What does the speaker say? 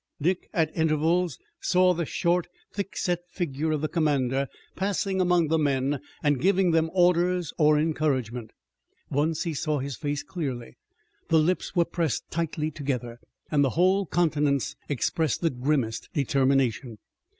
Dick, at intervals, saw the short, thickset figure of the commander passing among the men, and giving them orders or encouragement. Once he saw his face clearly. The lips were pressed tightly together, and the whole countenance expressed the grimmest determination.